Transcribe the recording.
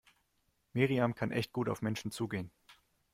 Miriam kann echt gut auf Menschen zugehen.